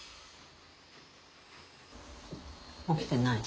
起きてない？